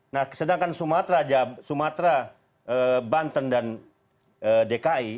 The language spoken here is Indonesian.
nah sedangkan sumatera banten dan dki